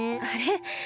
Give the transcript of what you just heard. あれ？